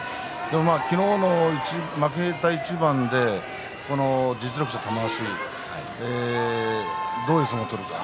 昨日の負けた一番で実力者、玉鷲どういう相撲を取るか。